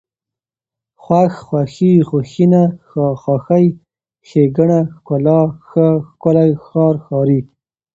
خوښ، خوښي، خوښېنه، خاښۍ، ښېګڼه، ښکلا، ښه، ښکلی، ښار، ښاري